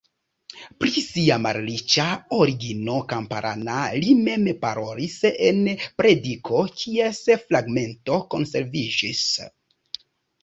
Pri sia malriĉa origino kamparana li mem parolis en prediko kies fragmento konserviĝis.